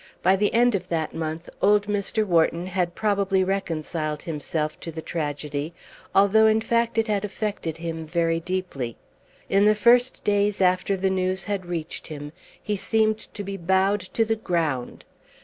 By the end of that month old Mr. Wharton had probably reconciled himself to the tragedy, although in fact it had affected him very deeply. In the first days after the news had reached him he seemed to be bowed to the ground.